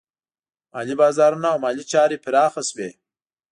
مالي بازارونه او مالي چارې پراخه شوې.